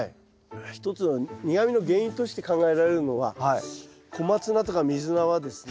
一つは苦みの原因として考えられるのはコマツナとかミズナはですね